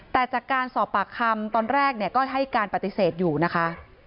แต่จากการสอบปากคำตอนแรกก็ให้การปฏิเสธอยู่นะคะ